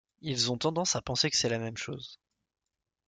Ils ont donc tendance à penser que c'est la même chose.